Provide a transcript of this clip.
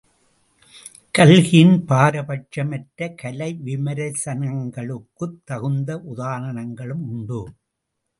கல்கியின் பாரபட்சமற்ற கலை விமரிசனங்களுக்குத் தகுந்த உதாரணங்களும் உண்டு.